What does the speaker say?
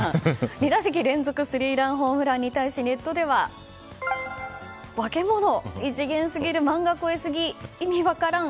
２打席連続のスリーランホームランに対しネットではバケモノ、異次元すぎる漫画超えすぎ、意味分からん